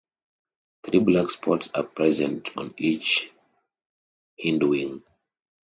Three black spots are present on each hindwing.